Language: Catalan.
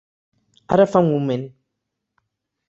Ara fa un moment.